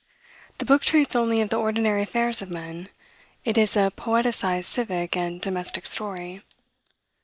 The book treats only of the ordinary affairs of men: it is a poeticized civic and domestic story.